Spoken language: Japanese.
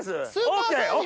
ＯＫ？